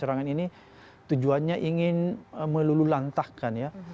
serangan ini tujuannya ingin melululantahkan ya